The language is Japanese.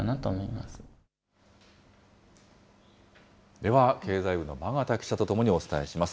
では経済部の真方記者と共にお伝えします。